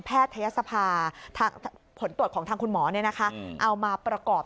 แพทยศภาในผลตรวจของคุณหมอเนี่ยนะคะเอามาประกอบ